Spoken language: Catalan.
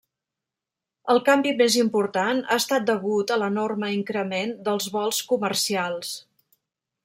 El canvi més important ha estat degut a l'enorme increment dels vols comercials.